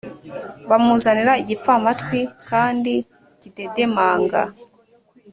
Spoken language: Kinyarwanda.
bamuzanira igipfamatwi kandi kidedemanga